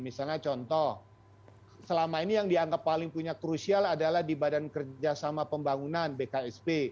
misalnya contoh selama ini yang dianggap paling punya krusial adalah di badan kerjasama pembangunan bksp